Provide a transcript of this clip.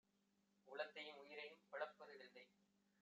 உளத்தையும் உயிரையும் பிளப்பது விந்தை!